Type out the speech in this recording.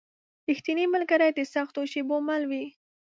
رښتینی ملګری د سختو شېبو مل وي.